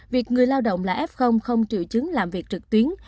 việc người lao động là f không triệu chứng làm việc trực tuyến